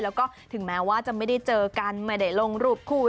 แล้วก็ถึงแม้ว่าจะไม่ได้เจอกันไม่ได้ลงรูปคู่